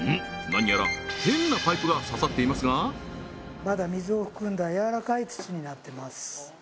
何やら変なパイプが刺さっていますがまだ水を含んだやわらかい土になってます